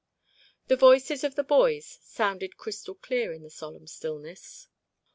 The voices of the boys sounded crystal clear in the solemn stillness.